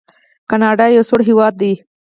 کاناډا یو سوړ هیواد دی.